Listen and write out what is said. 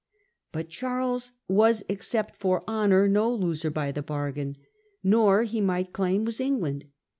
But Charles was, ex cept for honour, no loser by the bargain, nor, he might claim, was England.